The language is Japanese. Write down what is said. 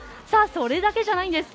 それだけじゃないんです。